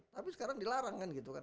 tapi sekarang dilarang kan gitu kan